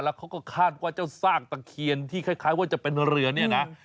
เขาก็คาดว่าเจ้าซากตะเคียนที่คล้ายว่าจะเป็นเรือเนี่ยนะ